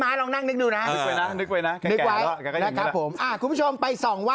มั้ยลองนั่งนิ้งนิ้วนะไงโว้ยนะคุณผู้ชมไปสองเวลา